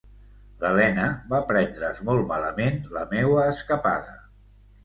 L’Elena va prendre’s molt malament la meua escapada.